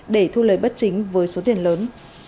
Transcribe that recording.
để thu lời bất chính với số tiền lớn